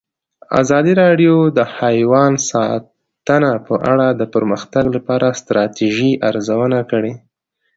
ازادي راډیو د حیوان ساتنه په اړه د پرمختګ لپاره د ستراتیژۍ ارزونه کړې.